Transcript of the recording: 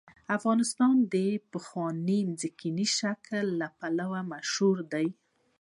افغانستان د خپل پخواني ځمکني شکل لپاره مشهور دی.